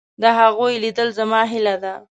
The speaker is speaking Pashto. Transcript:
د هغوی لیدل زما هیله ده.